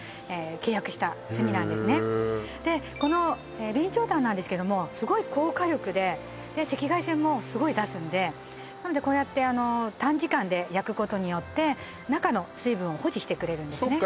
この備長炭なんですけどもすごい高火力で赤外線もすごい出すんでなのでこうやって短時間で焼くことによって中の水分を保持してくれるんですね